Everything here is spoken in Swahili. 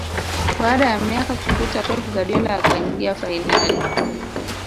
baada ya miaka kupita pep guardiola akaingia fainali